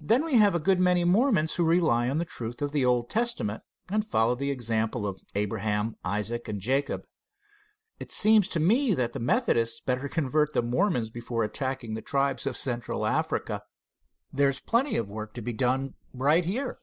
Then we have a good many Mormons who rely on the truth of the Old Testament and follow the example of Abraham, Isaac and Jacob. It seems to me that the Methodists better convert the Mormons before attacking the tribes of Central Africa. There is plenty of work to be done right here.